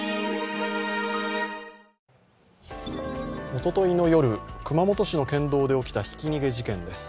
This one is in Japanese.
おとといの夜、熊本市の県道で起きたひき逃げ事件です。